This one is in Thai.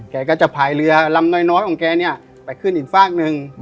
แกก็จะพายเรือลำน้อยของแกเนี่ยไปขึ้นอีกฝากหนึ่ง